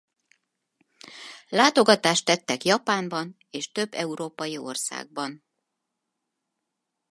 Látogatást tettek Japánban és több Európai országban.